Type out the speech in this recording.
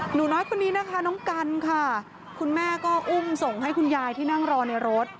หนูน้อยคนนี้นะคะน้องกันค่ะคุณแม่ก็อุ้มส่งให้คุณยายที่นั่งรอในรถ